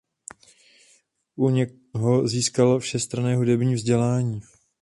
U něho získal všestranné hudební vzdělání.